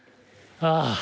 ああ。